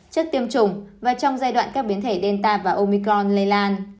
trước tiêm chủng và trong giai đoạn các biến thể delta và omicron lây lan